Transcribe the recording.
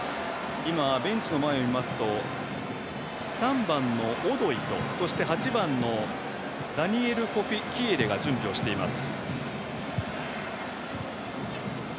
今、ベンチの前を見ますと３番のオドイとそして８番のダニエルコフィ・キエレが準備をしています。